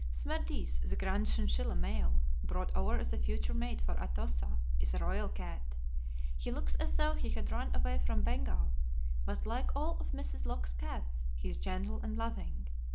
Smerdis, the grand chinchilla male brought over as a future mate for Atossa, is a royal cat. He looks as though he had run away from Bengal, but, like all of Mrs. Locke's cats, he is gentle and loving.